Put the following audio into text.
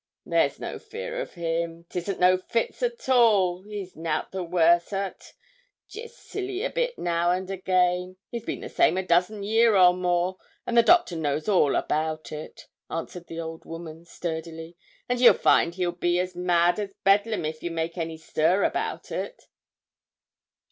'There's no fear of him, 'tisn't no fits at all, he's nout the worse o't. Jest silly a bit now and again. It's been the same a dozen year and more; and the doctor knows all about it,' answered the old woman sturdily. 'And ye'll find he'll be as mad as bedlam if ye make any stir about it.'